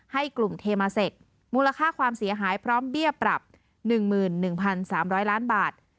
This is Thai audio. ให้กลุ่มเทมาเซ็กมูลค่าความเสียหายพร้อมเบี้ยปรับ๑๑๓๐๐ล้านบาท